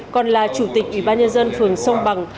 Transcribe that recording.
còn là chủ tịch ủy ban nhân dân phường sông bằng